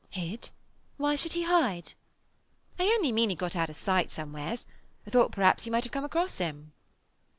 "Hid? Why should he hide?" "I only mean he got out of sight somewheres. I thought perhaps you might have come across him."